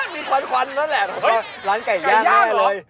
มีขวัญนั่นแหละนะก็ร้านไก่ย่างนี้เลยไก่ย่างเหรอ